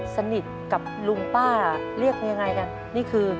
สนิทกับลุงป้าเรียกยังไงกันนี่คือ